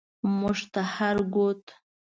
مونږ ته هر گوت هلایل دی، چی د بل جام نه توییږی